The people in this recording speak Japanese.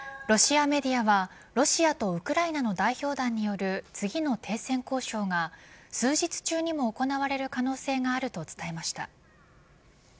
ロシアメディアはロシアとウクライナの代表団による次の停戦交渉が数日中にも行われる可能性があると伝えました。